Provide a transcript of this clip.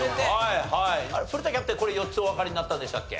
古田キャプテンこれ４つおわかりになったんでしたっけ？